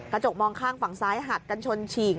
กระจกมองข้างฝั่งซ้ายหักกันชนฉีก